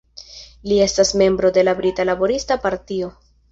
Li estas membro de la Brita Laborista Partio.